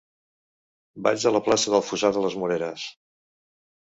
Vaig a la plaça del Fossar de les Moreres.